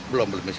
belum belum bisa